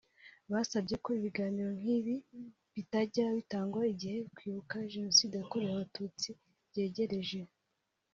basabye ko ibiganiro nk’ibi bitajya bitangwa igihe Kwibuka Jenoside yakorewe abatutsi byegereje